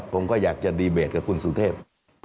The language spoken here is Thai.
ผมก็อยากจะดีเบตกับคุณสุเทพ